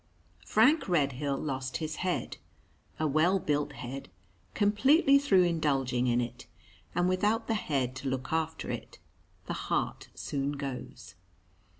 Frank Redhill lost his head a well built head completely through indulging in it; and without the head to look after it, the heart soon goes.